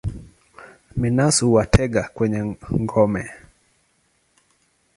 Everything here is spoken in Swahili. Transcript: Minus huwatega kwenye ngome.